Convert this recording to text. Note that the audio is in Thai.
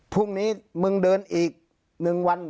พรุ่งนี้มึงเดินอีก๑วัน